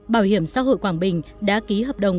bảo hiểm xã hội quảng bình đã ký hợp đồng